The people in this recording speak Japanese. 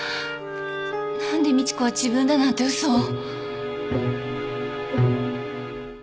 何で美知子は自分だなんて嘘を。